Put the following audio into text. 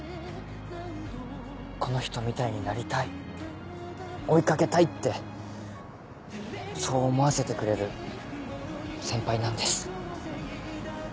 この人みたいになりたい追い掛けたいってそう思わせてくれる先輩なんです。